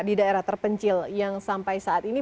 di daerah terpencil yang sampai saat ini